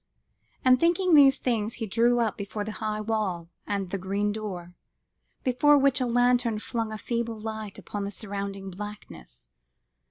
and thinking these things, he drew up before the high wall and the green door, before which a lantern flung a feeble light upon the surrounding blackness.